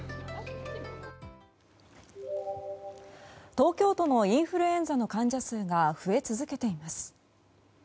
東京都のインフルエンザの患者数が増え続けています。